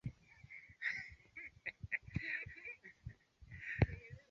kama ya busu Mila zingine kwa kweli ni tofauti na Warusi Kwa hivyo